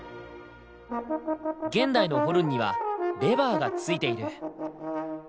現代のホルンにはレバーがついている。